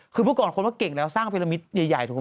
คือพวกกรคนว่าเก่งแล้วสร้างพิรามิทใหญ่ถูกไหม